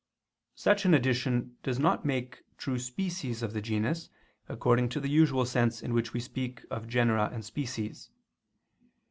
Such an addition does not make true species of the genus, according to the usual sense in which we speak of genera and species.